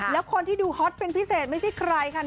แล้วคนที่ดูฮอตเป็นพิเศษไม่ใช่ใครค่ะ